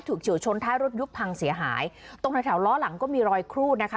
เฉียวชนท้ายรถยุบพังเสียหายตรงแถวแถวล้อหลังก็มีรอยครูดนะคะ